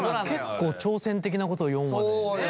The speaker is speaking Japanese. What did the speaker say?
結構挑戦的なことを４話で。